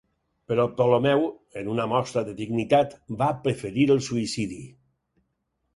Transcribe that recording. Però Ptolemeu, en una mostra de dignitat, va preferir el suïcidi.